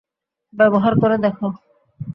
ব্যবহার করে দেখো।